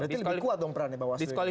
disekali kuat nomoran bawah diskole